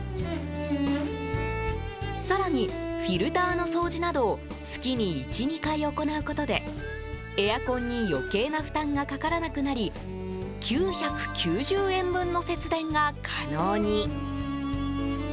更に、フィルターの掃除などを月に１２回行うことでエアコンに余計な負担がかからなくなり９９０円分の節電が可能に。